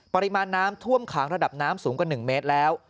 ปริมาณน้ำท่วมขังระดับน้ำสูงกว่า๑เมตรแล้ว